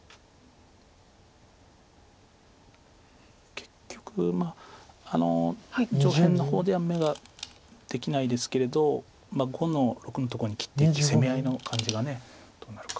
結局上辺の方では眼ができないですけれど５の六のとこに切っていって攻め合いの感じがどうなるか。